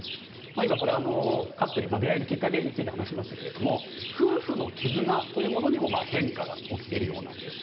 今、これ、カップル出会いのきっかけについて話しましたが夫婦の絆というものにも変化が起きているようなんです。